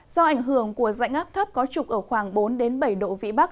do ảnh hưởng của dãy ngắp thấp có trục ở khoảng bốn đến bảy độ vị bắc